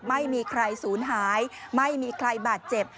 ไม่มีใครสูญหายไม่มีใครบาดเจ็บ